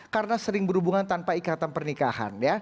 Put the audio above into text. karena sering berhubungan tanpa ikatan pernikahan